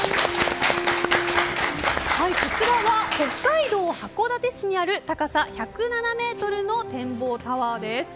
こちらは北海道函館市にある高さ１０７ｍの展望タワーです。